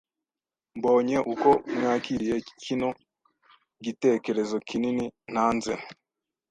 mbonye uko mwakiriye kino gitekerezo kinini ntanze